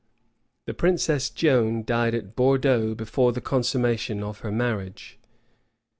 The princess Joan died at Bordeaux before the consummation of her marriage.